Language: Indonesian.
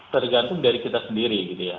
tergantung dari kita sendiri gitu ya